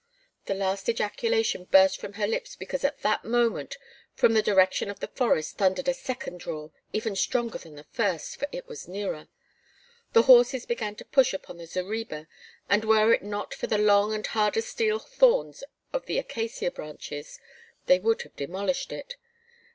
The last ejaculation burst from her lips because at that moment from the direction of the forest thundered a second roar even stronger than the first for it was nearer. The horses began to push upon the zareba and were it not for the long and hard as steel thorns of the acacia branches, they would have demolished it.